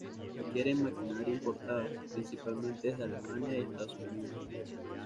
Adquieren maquinaria importada, principalmente desde Alemania y Estados Unidos.